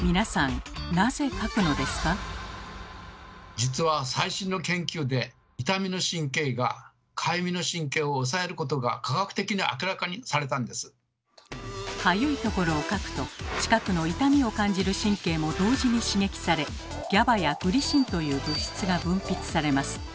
実は最新の研究でかゆいところをかくと近くの痛みを感じる神経も同時に刺激されＧＡＢＡやグリシンという物質が分泌されます。